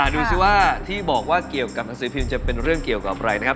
ดูสิว่าที่บอกว่าเกี่ยวกับหนังสือพิมพ์จะเป็นเรื่องเกี่ยวกับอะไรนะครับ